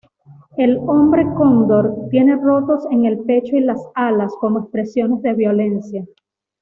El hombre-cóndor tiene rotos en el pecho y las alas, como expresiones de violencia.